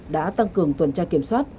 đã tăng cường tuần tra kiểm soát